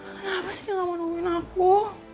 kenapa sih dia gak mau tungguin aku